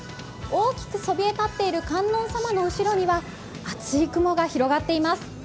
大きくそびえ立っている観音様の後ろには厚い雲が広がっています。